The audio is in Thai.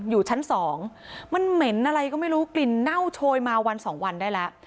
อยู่ชั้นสองมันเหม็นอะไรก็ไม่รู้กลิ่นเน่าโชยมาวันสองวันได้แล้ว